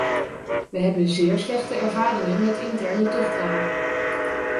Wij hebben zeer slechte ervaringen met interne tuchtraden.